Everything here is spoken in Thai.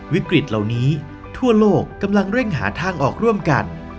วิกฤตเหล่านี้ทั่วโลกกำลังเร่งหาทางออกร่วมกัน